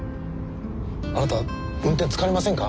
あなた運転疲れませんか？